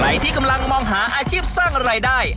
ใครที่กำลังมองหาอาชีพสร้างรายได้